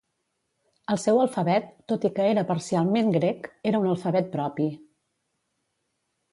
El seu alfabet, tot i que era parcialment grec, era un alfabet propi.